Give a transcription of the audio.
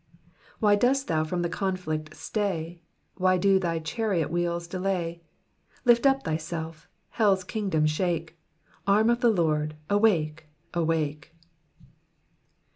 " Whv dost thou from the coufllct stay ? Why do Ihy chariot wheels delny ? Lift up thyself, heirs kins^dom shake, Arm of the Lord, awake, awake.'